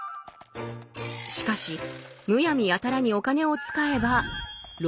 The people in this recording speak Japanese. しかしむやみやたらにお金を使えば「浪費」。